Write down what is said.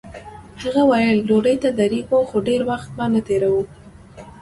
هغه ویل ډوډۍ ته درېږو خو ډېر وخت به نه تېروو.